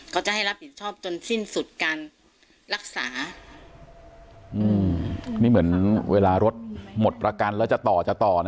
ก็จะให้รับผิดชอบจนสิ้นสุดการรักษาอืมนี่เหมือนเวลารถหมดประกันแล้วจะต่อจะต่อนะ